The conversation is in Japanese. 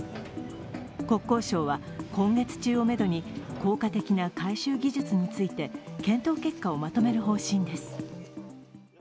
国交省は今月中をめどに効果的な回収技術について検討結果をまとめる方針です。